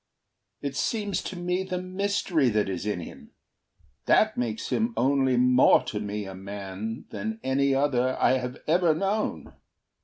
It seems to me the mystery that is in him That makes him only more to me a man Than any other I have ever known.